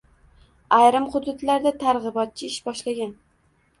Ayrim hududlarda targ‘ibotchi ish boshlagan.